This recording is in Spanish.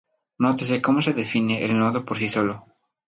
Nótese como se define el nodo por sí solo.